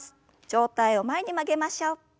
上体を前に曲げましょう。